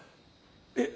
えっ？